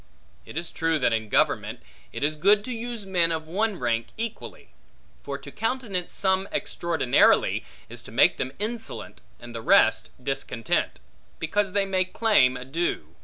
It is true that in government, it is good to use men of one rank equally: for to countenance some extraordinarily, is to make them insolent, and the rest discontent; because they may claim a due.